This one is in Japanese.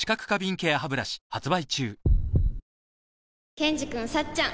ケンジくんさっちゃん